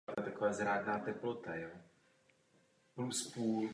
Skandinávské prameny o něm mlčí.